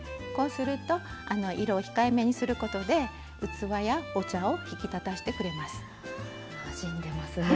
こうすると色を控えめにすることで器やお茶を引き立たしてくれます。